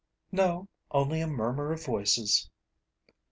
"No, only a murmur of voices."